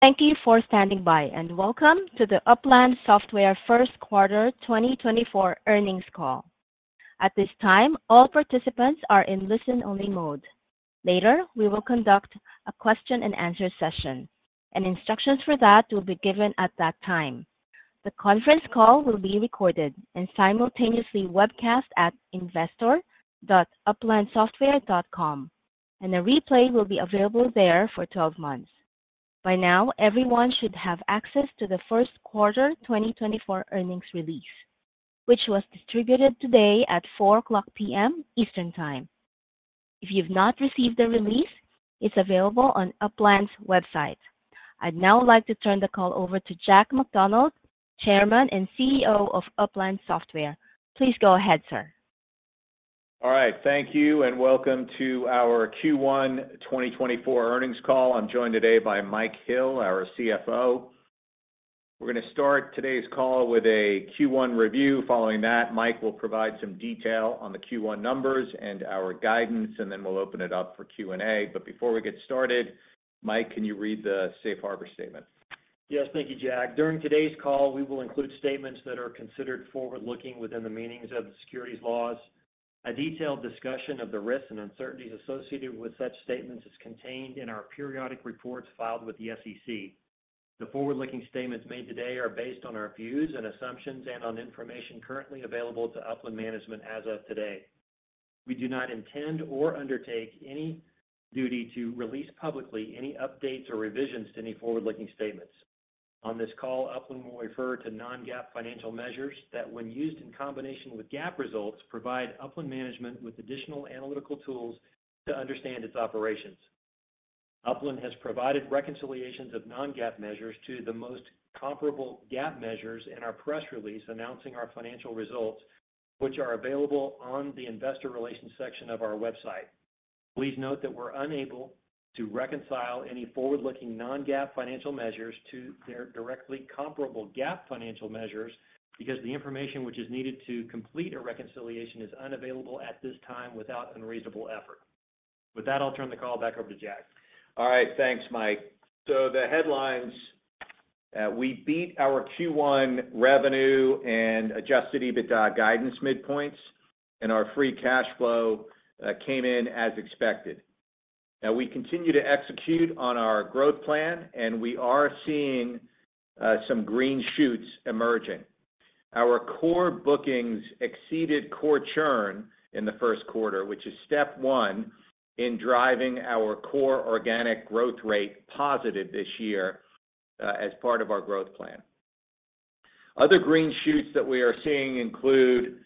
Thank you for standing by and welcome to the Upland Software first quarter 2024 earnings call. At this time, all participants are in listen-only mode. Later, we will conduct a question-and-answer session, and instructions for that will be given at that time. The conference call will be recorded and simultaneously webcast at investor.uplandsoftware.com, and a replay will be available there for 12 months. By now, everyone should have access to the first quarter 2024 earnings release, which was distributed today at 4:00 P.M. Eastern Time. If you've not received the release, it's available on Upland's website. I'd now like to turn the call over to Jack McDonald, Chairman and CEO of Upland Software. Please go ahead, sir. All right, thank you, and welcome to our Q1 2024 earnings call. I'm joined today by Mike Hill, our CFO. We're going to start today's call with a Q1 review. Following that, Mike will provide some detail on the Q1 numbers and our guidance, and then we'll open it up for Q&A. But before we get started, Mike, can you read the Safe Harbor statement? Yes, thank you, Jack. During today's call, we will include statements that are considered forward-looking within the meanings of the securities laws. A detailed discussion of the risks and uncertainties associated with such statements is contained in our periodic reports filed with the SEC. The forward-looking statements made today are based on our views and assumptions and on information currently available to Upland management as of today. We do not intend or undertake any duty to release publicly any updates or revisions to any forward-looking statements. On this call, Upland will refer to non-GAAP financial measures that, when used in combination with GAAP results, provide Upland management with additional analytical tools to understand its operations. Upland has provided reconciliations of non-GAAP measures to the most comparable GAAP measures in our press release announcing our financial results, which are available on the investor relations section of our website. Please note that we're unable to reconcile any forward-looking non-GAAP financial measures to their directly comparable GAAP financial measures because the information which is needed to complete a reconciliation is unavailable at this time without unreasonable effort. With that, I'll turn the call back over to Jack. All right, thanks, Mike. So the headlines: we beat our Q1 revenue and Adjusted EBITDA guidance midpoints, and our free cash flow came in as expected. We continue to execute on our growth plan, and we are seeing some green shoots emerging. Our core bookings exceeded core churn in the first quarter, which is step one in driving our core organic growth rate positive this year as part of our growth plan. Other green shoots that we are seeing include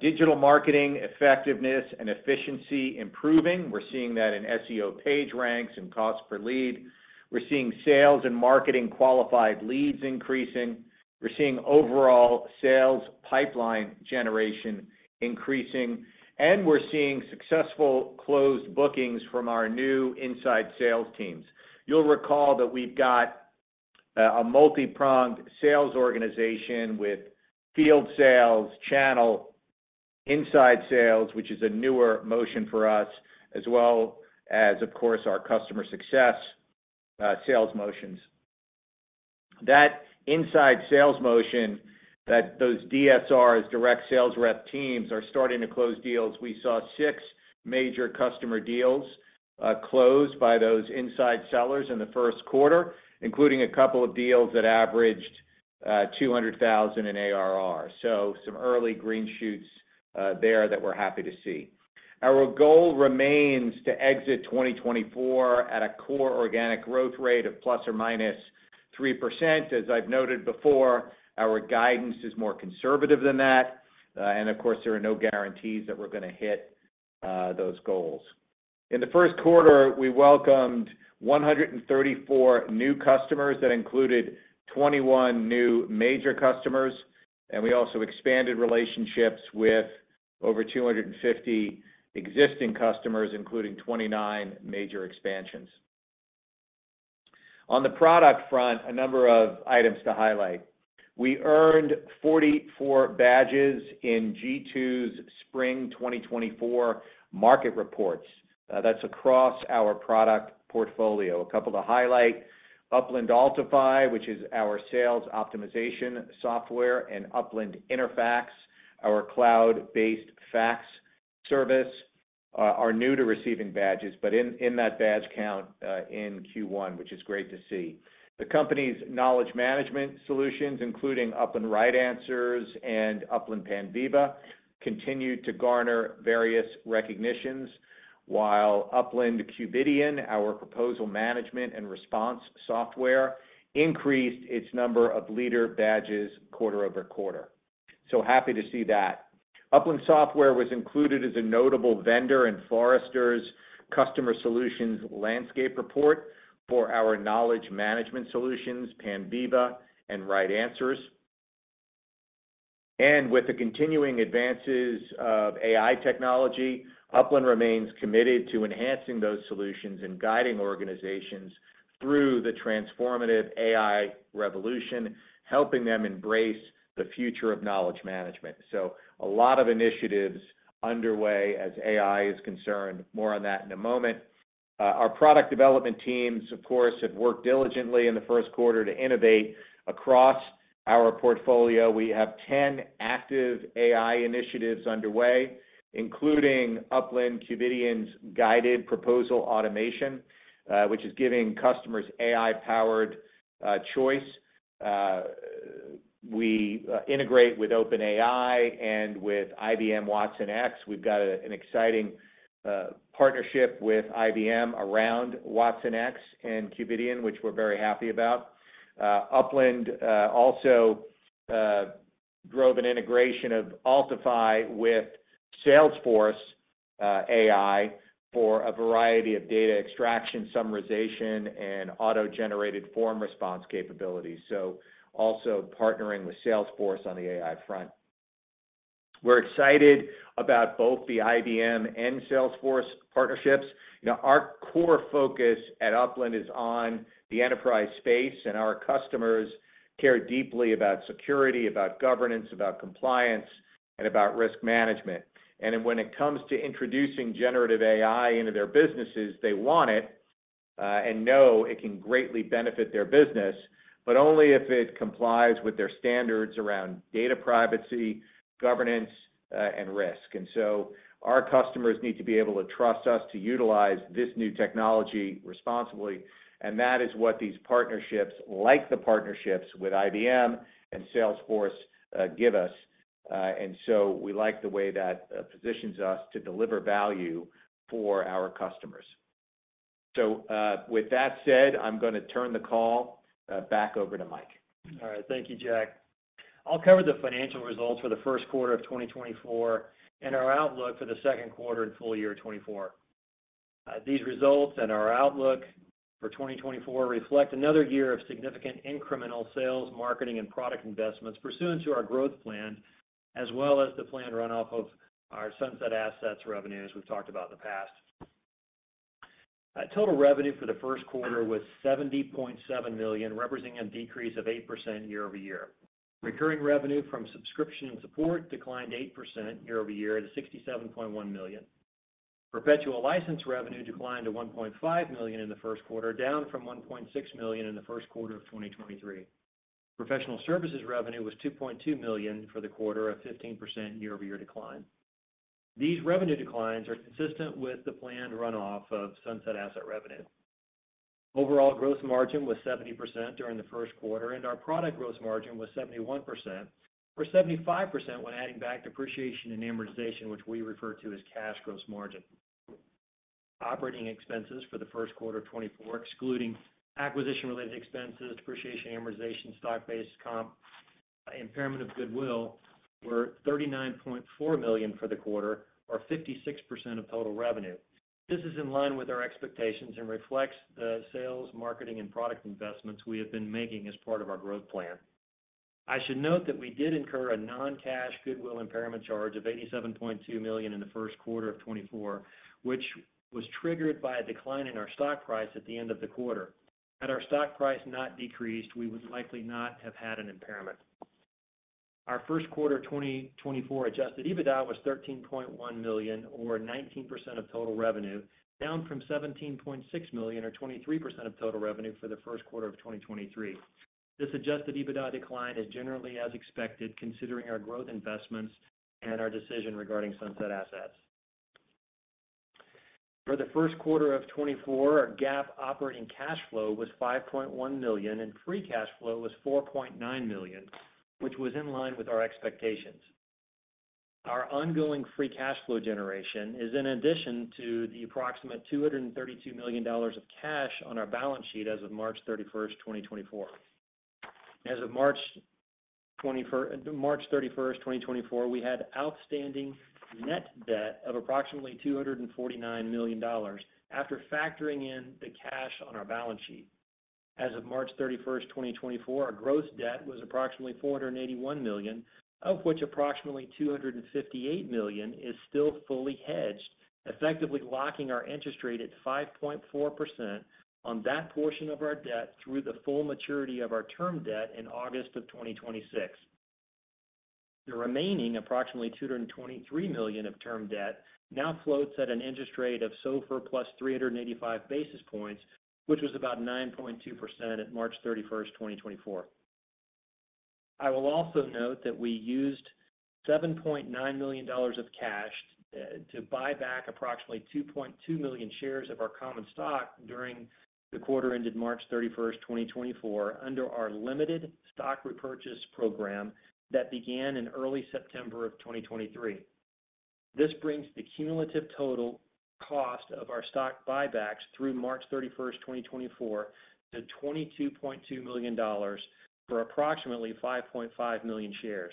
digital marketing effectiveness and efficiency improving. We're seeing that in SEO page ranks and cost per lead. We're seeing sales and marketing qualified leads increasing. We're seeing overall sales pipeline generation increasing, and we're seeing successful closed bookings from our new inside sales teams. You'll recall that we've got a multi-pronged sales organization with field sales, channel, inside sales, which is a newer motion for us, as well as, of course, our customer success sales motions. That inside sales motion, those DSRs, direct sales rep teams, are starting to close deals. We saw six major customer deals closed by those inside sellers in the first quarter, including a couple of deals that averaged 200,000 in ARR. So some early green shoots there that we're happy to see. Our goal remains to exit 2024 at a core organic growth rate of ±3%. As I've noted before, our guidance is more conservative than that, and of course, there are no guarantees that we're going to hit those goals. In the first quarter, we welcomed 134 new customers that included 21 new major customers, and we also expanded relationships with over 250 existing customers, including 29 major expansions. On the product front, a number of items to highlight. We earned 44 badges in G2's Spring 2024 market reports. That's across our product portfolio. A couple to highlight: Upland Altify, which is our sales optimization software, and Upland InterFAX, our cloud-based fax service, are new to receiving badges, but in that badge count in Q1, which is great to see. The company's knowledge management solutions, including Upland RightAnswers and Upland Panviva, continue to garner various recognitions, while Upland Qvidian, our proposal management and response software, increased its number of leader badges quarter-over-quarter. So happy to see that. Upland Software was included as a notable vendor in Forrester's Customer Solutions Landscape Report for our knowledge management solutions, Panviva and RightAnswers. With the continuing advances of AI technology, Upland remains committed to enhancing those solutions and guiding organizations through the transformative AI revolution, helping them embrace the future of knowledge management. A lot of initiatives underway as AI is concerned. More on that in a moment. Our product development teams, of course, have worked diligently in the first quarter to innovate across our portfolio. We have 10 active AI initiatives underway, including Upland Qvidian's guided proposal automation, which is giving customers AI-powered choice. We integrate with OpenAI and with IBM watsonx. We've got an exciting partnership with IBM around watsonx and Qvidian, which we're very happy about. Upland also drove an integration of Altify with Salesforce AI for a variety of data extraction, summarization, and auto-generated form response capabilities, so also partnering with Salesforce on the AI front. We're excited about both the IBM and Salesforce partnerships. Our core focus at Upland is on the enterprise space, and our customers care deeply about security, about governance, about compliance, and about risk management. And when it comes to introducing generative AI into their businesses, they want it and know it can greatly benefit their business, but only if it complies with their standards around data privacy, governance, and risk. And so our customers need to be able to trust us to utilize this new technology responsibly, and that is what these partnerships, like the partnerships with IBM and Salesforce, give us. And so we like the way that positions us to deliver value for our customers. With that said, I'm going to turn the call back over to Mike. All right, thank you, Jack. I'll cover the financial results for the first quarter of 2024 and our outlook for the second quarter and full year 2024. These results and our outlook for 2024 reflect another year of significant incremental sales, marketing, and product investments pursuant to our growth plans, as well as the planned runoff of our sunset assets revenues we've talked about in the past. Total revenue for the first quarter was $70.7 million, representing a decrease of 8% year-over-year. Recurring revenue from subscription and support declined 8% year-over-year to $67.1 million. Perpetual license revenue declined to $1.5 million in the first quarter, down from $1.6 million in the first quarter of 2023. Professional services revenue was $2.2 million for the quarter, a 15% year-over-year decline. These revenue declines are consistent with the planned runoff of sunset asset revenue. Overall gross margin was 70% during the first quarter, and our product gross margin was 71% or 75% when adding back depreciation and amortization, which we refer to as cash gross margin. Operating expenses for the first quarter 2024, excluding acquisition-related expenses, depreciation, amortization, stock-based comp, impairment of goodwill, were $39.4 million for the quarter, or 56% of total revenue. This is in line with our expectations and reflects the sales, marketing, and product investments we have been making as part of our growth plan. I should note that we did incur a non-cash goodwill impairment charge of $87.2 million in the first quarter of 2024, which was triggered by a decline in our stock price at the end of the quarter. Had our stock price not decreased, we would likely not have had an impairment. Our first quarter 2024 Adjusted EBITDA was $13.1 million, or 19% of total revenue, down from $17.6 million, or 23% of total revenue for the first quarter of 2023. This Adjusted EBITDA decline is generally as expected, considering our growth investments and our decision regarding sunset assets. For the first quarter of 2024, our GAAP operating cash flow was $5.1 million, and free cash flow was $4.9 million, which was in line with our expectations. Our ongoing free cash flow generation is in addition to the approximate $232 million of cash on our balance sheet as of March 31st, 2024. As of March 31st, 2024, we had outstanding net debt of approximately $249 million after factoring in the cash on our balance sheet. As of March 31st, 2024, our gross debt was approximately $481 million, of which approximately $258 million is still fully hedged, effectively locking our interest rate at 5.4% on that portion of our debt through the full maturity of our term debt in August of 2026. The remaining, approximately $223 million of term debt now floats at an interest rate of SOFR plus 385 basis points, which was about 9.2% at March 31st, 2024. I will also note that we used $7.9 million of cash to buy back approximately 2.2 million shares of our common stock during the quarter ended March 31st, 2024, under our limited stock repurchase program that began in early September of 2023. This brings the cumulative total cost of our stock buybacks through March 31st, 2024, to $22.2 million for approximately 5.5 million shares.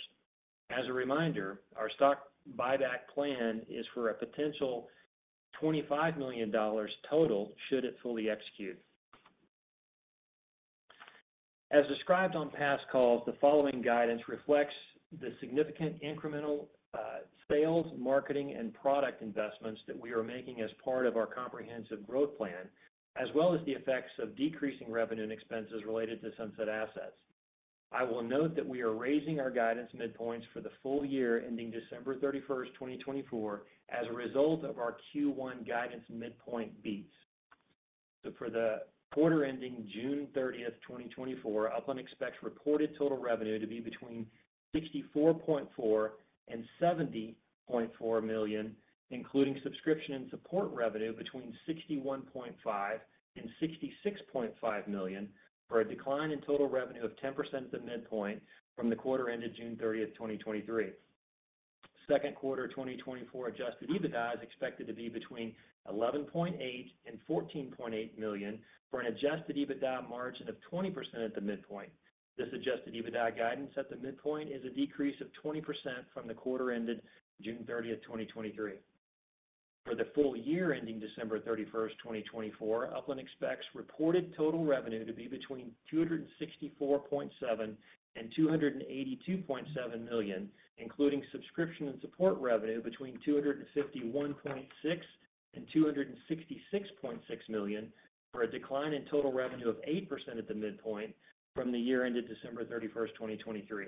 As a reminder, our stock buyback plan is for a potential $25 million total should it fully execute. As described on past calls, the following guidance reflects the significant incremental sales, marketing, and product investments that we are making as part of our comprehensive growth plan, as well as the effects of decreasing revenue and expenses related to sunset assets. I will note that we are raising our guidance midpoints for the full year ending December 31st, 2024, as a result of our Q1 guidance midpoint beats. So for the quarter ending June 30th, 2024, Upland expects reported total revenue to be between $64.4 million-$70.4 million, including subscription and support revenue between $61.5 million-$66.5 million, for a decline in total revenue of 10% at the midpoint from the quarter ended June 30th, 2023. Second quarter 2024 Adjusted EBITDA is expected to be between $11.8 million-$14.8 million for an Adjusted EBITDA margin of 20% at the midpoint. This Adjusted EBITDA guidance at the midpoint is a decrease of 20% from the quarter ended June 30th, 2023. For the full year ending December 31st, 2024, Upland expects reported total revenue to be between $264.7 million-$282.7 million, including subscription and support revenue between $251.6 million-$266.6 million, for a decline in total revenue of 8% at the midpoint from the year ended December 31st, 2023.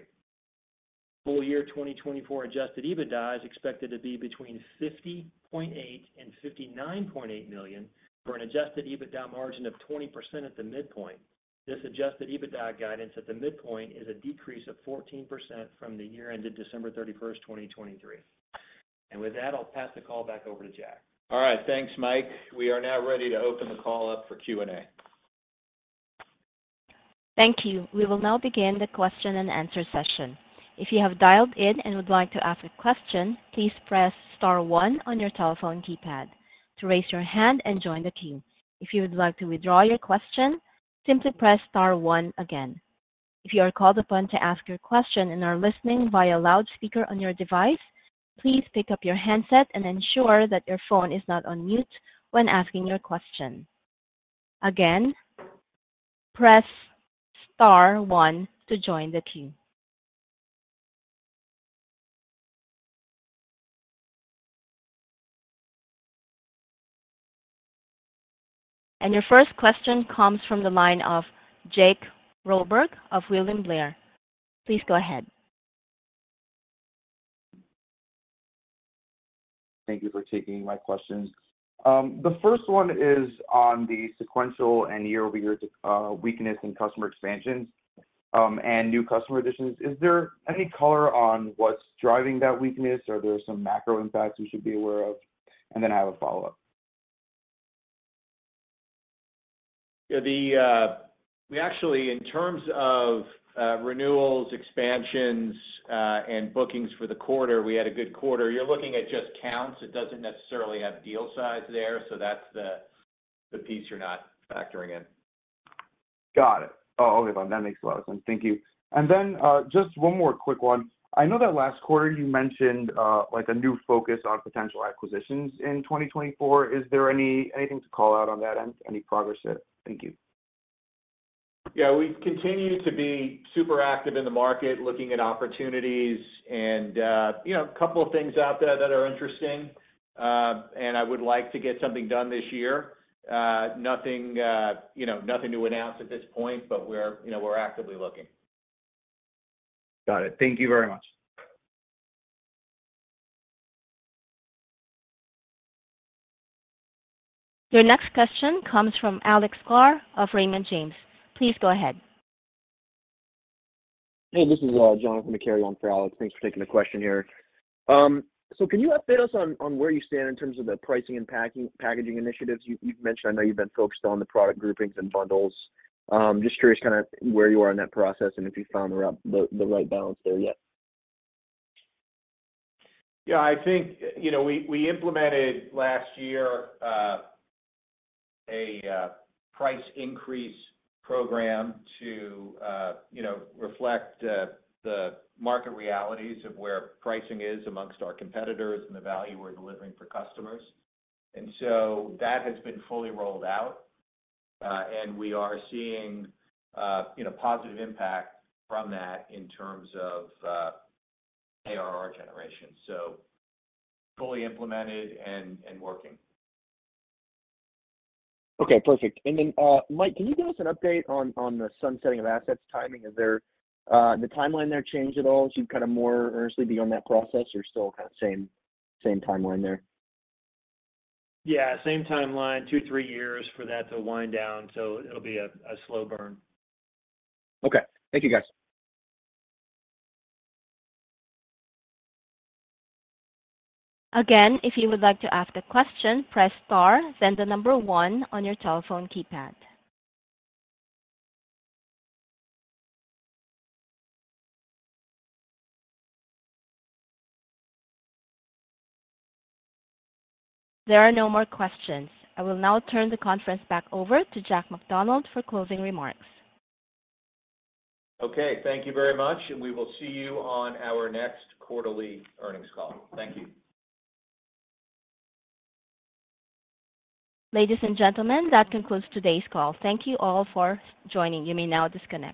Full year 2024 Adjusted EBITDA is expected to be between $50.8 million-$59.8 million for an Adjusted EBITDA margin of 20% at the midpoint. This Adjusted EBITDA guidance at the midpoint is a decrease of 14% from the year ended December 31st, 2023. With that, I'll pass the call back over to Jack. All right, thanks, Mike. We are now ready to open the call up for Q&A. Thank you. We will now begin the question-and-answer session. If you have dialed in and would like to ask a question, please press star one on your telephone keypad to raise your hand and join the queue. If you would like to withdraw your question, simply press star one again. If you are called upon to ask your question and are listening via loudspeaker on your device, please pick up your handset and ensure that your phone is not on mute when asking your question. Again, press star one to join the queue. Your first question comes from the line of Jake Roberge of William Blair. Please go ahead. Thank you for taking my questions. The first one is on the sequential and year-over-year weakness in customer expansions and new customer additions. Is there any color on what's driving that weakness, or are there some macro impacts we should be aware of? And then I have a follow-up. Yeah, we actually, in terms of renewals, expansions, and bookings for the quarter, we had a good quarter. You're looking at just counts. It doesn't necessarily have deal size there, so that's the piece you're not factoring in. Got it. Oh, okay, fine. That makes a lot of sense. Thank you. And then just one more quick one. I know that last quarter you mentioned a new focus on potential acquisitions in 2024. Is there anything to call out on that end, any progress? Thank you. Yeah, we continue to be super active in the market, looking at opportunities and a couple of things out there that are interesting. And I would like to get something done this year. Nothing new announced at this point, but we're actively looking. Got it. Thank you very much. Your next question comes from Alex Sklar of Raymond James. Please go ahead. Hey, this is John McCary on for Alex Sklar. Thanks for taking the question here. So can you update us on where you stand in terms of the pricing and packaging initiatives you've mentioned? I know you've been focused on the product groupings and bundles. Just curious kind of where you are in that process and if you found the right balance there yet? Yeah, I think we implemented last year a price increase program to reflect the market realities of where pricing is amongst our competitors and the value we're delivering for customers. And so that has been fully rolled out, and we are seeing positive impact from that in terms of ARR generation, so fully implemented and working. Okay, perfect. And then, Mike, can you give us an update on the sunsetting of assets timing? Has the timeline there changed at all? You've kind of more earnestly been on that process, or still kind of same timeline there? Yeah, same timeline, two to three years for that to wind down, so it'll be a slow burn. Okay. Thank you, guys. Again, if you would like to ask a question, press star, then the number one on your telephone keypad. There are no more questions. I will now turn the conference back over to Jack McDonald for closing remarks. Okay, thank you very much, and we will see you on our next quarterly earnings call. Thank you. Ladies and gentlemen, that concludes today's call. Thank you all for joining. You may now disconnect.